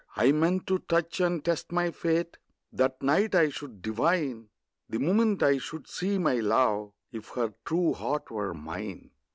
I meant to touch and test my fate; That night I should divine, The moment I should see my love, If her true heart were mine.